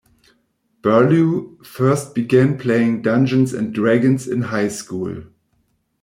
Burlew first began playing "Dungeons and Dragons" in high school.